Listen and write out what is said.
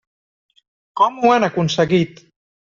Com ho han aconseguit?